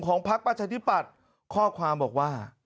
พักประชาธิปัตย์ข้อความบอกว่า